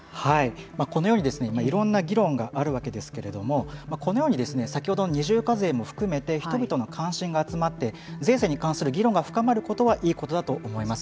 このようにいろんな議論があるわけですけれどもこのように、先ほどの二重課税も含めて人々の関心が集まって税制に関する議論が深まることはいいことだと思います。